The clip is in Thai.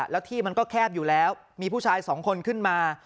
แล้วที่มันก็แคบอยู่แล้วมีผู้ชายสองคนขึ้นมา